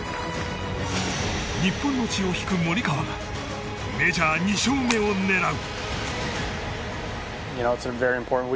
日本の血を引くモリカワがメジャー２勝目を狙う。